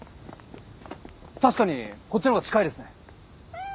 確かにこっちのほうが近いですね。